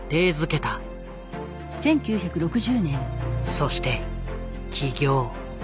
そして起業。